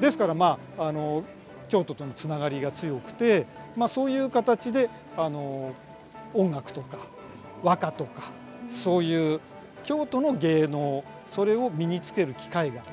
ですからまあ京都とのつながりが強くてそういう形で音楽とか和歌とかそういう京都の芸能それを身につける機会があったというふうに考えられます。